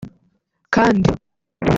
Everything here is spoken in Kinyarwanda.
kandi